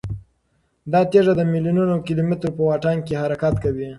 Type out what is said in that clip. دا تیږه د میلیونونو کیلومترو په واټن کې حرکت کوي.